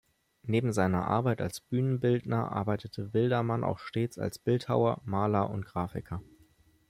Neben seiner Arbeit als Bühnenbildner arbeitete Wildermann auch stets als Bildhauer, Maler und Grafiker.